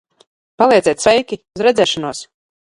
Palieciet sveiki, uz redzēšanos!